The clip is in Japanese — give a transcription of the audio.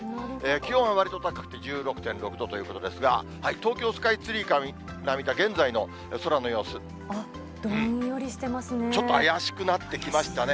気温はわりと高くて１６．６度ということですが、東京スカイツリーから見た現在の空の様子、ちょっと怪しくなってきましたね。